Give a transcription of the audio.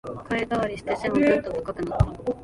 声変わりして背もぐんと高くなった